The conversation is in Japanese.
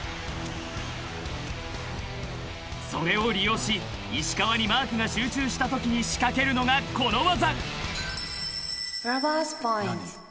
［それを利用し石川にマークが集中したときに仕掛けるのがこの技］